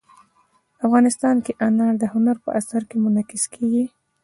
افغانستان کې انار د هنر په اثار کې منعکس کېږي.